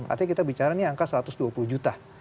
artinya kita bicara ini angka satu ratus dua puluh juta